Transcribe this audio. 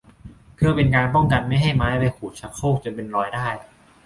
เพื่อเป็นการป้องกันไม่ให้ไม้ไปขูดชักโครกจนเป็นรอยได้